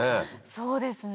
そうですね。